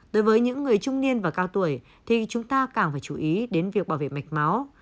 đối với những người trung niên và cao tuổi thì chúng ta càng phải chú ý đến việc bảo vệ mạch máu